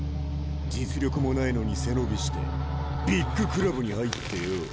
実力もないのに背伸びしてビッグクラブに入ってよ。